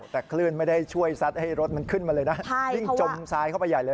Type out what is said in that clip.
แต่คลื่นไม่ได้ช่วยซัดให้รถมันขึ้นมาเลยนะวิ่งจมทรายเข้าไปใหญ่เลย